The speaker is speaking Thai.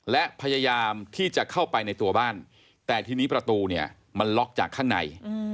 และพยายามที่จะเข้าไปในตัวบ้านแต่ทีนี้ประตูเนี่ยมันล็อกจากข้างใน